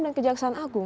dan kejaksaan agung